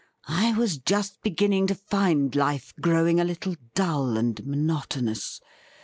I was just begin ning to find life gi owing a little dull and monotonous.